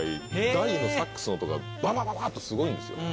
大のサックスの音がババババっとすごいんですよ。